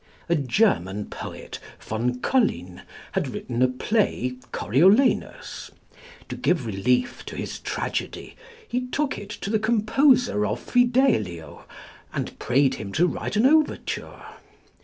A German poet, von Collin, had written a play, Coriolanus. To give relief to his tragedy, he took it to the composer of Fidelio and prayed him to write an overture.